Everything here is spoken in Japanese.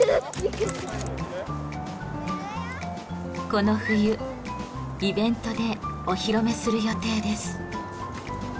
この冬イベントでお披露目する予定です。